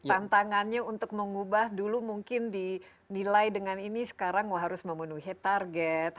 tantangannya untuk mengubah dulu mungkin dinilai dengan ini sekarang harus memenuhi target